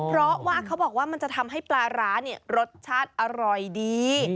เพราะว่าเขาบอกว่ามันจะทำให้ปลาร้าเนี่ยรสชาติอร่อยดี